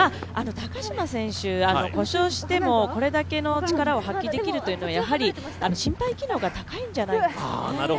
故障してもこれだけの力を発揮できるというのはやはり身体機能が高いんじゃないですかね。